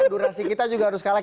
durasi kita juga harus kalah